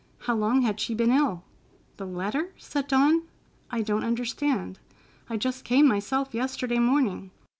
How long had she been ill?" "The letter?" said Dawn. "I don't understand. I just came myself yesterday morning.